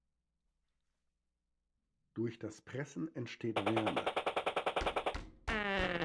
Durch das Pressen entsteht Wärme.